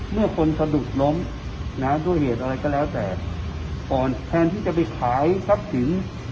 ดุล้มน้ำด้วยเหตุอะไรก็แล้วแต่อ่อนที่จะไปขายครับถึง